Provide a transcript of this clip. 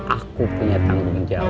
aku punya tanggung jawab